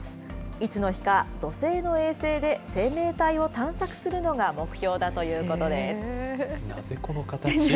いつの日か、土星の衛星で生命体を探索するのが目標だということなぜこの形に。